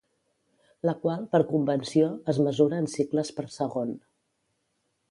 La qual per convenció es mesura en cicles per segon.